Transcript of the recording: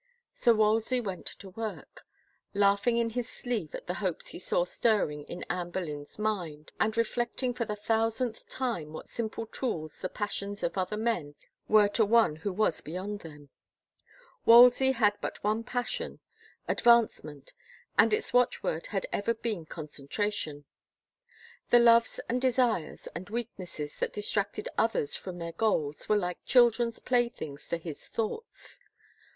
So Wolsey went to work, laughing in his sleeve at the hopes he saw stirring in Anne Boleyn's mind, and reflect ing for the thousandth time what simple tools the pas sions of other men were to one who was beyond them. Wolsey had but one passion, advancement, and its watch word had ever been concentration. The loves and de sires and weaknesses that distracted others from their goals were like children's playthings to his thoughts.